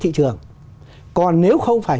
thị trường còn nếu không phải